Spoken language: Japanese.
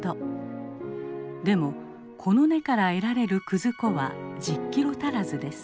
でもこの根から得られる葛粉は１０キロ足らずです。